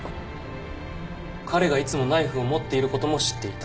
彼がいつもナイフを持っていることも知っていた。